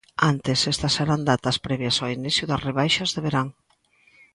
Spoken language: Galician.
Antes, estas eran datas previas ao inicio das rebaixas de verán.